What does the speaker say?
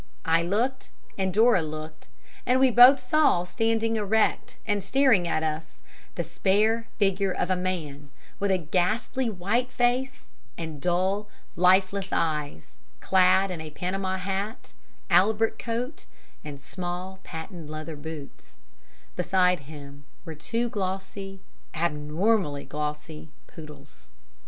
I looked, and Dora looked, and we both saw, standing erect and staring at us, the spare figure of a man, with a ghastly white face and dull, lifeless eyes, clad in a panama hat, albert coat, and small, patent leather boots; beside him were two glossy abnormally glossy poodles.